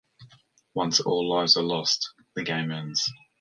Once all lives are lost the game ends.